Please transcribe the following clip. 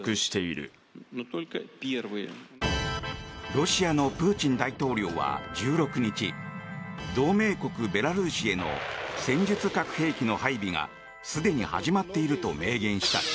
ロシアのプーチン大統領は１６日同盟国ベラルーシへの戦術核兵器の配備がすでに始まっていると明言した。